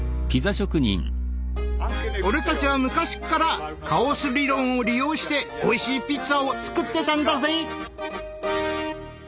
俺たちは昔っからカオス理論を利用しておいしいピッツァを作ってたんだぜ！